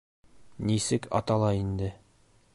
Нисек атала инде?